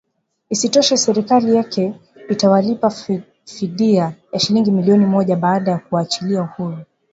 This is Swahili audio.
Isitoshe serikali yake itawalipa fidia ya shilingi milioni moja baada ya kuwaachilia huru